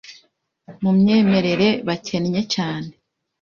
mu myemerere bakennye cyane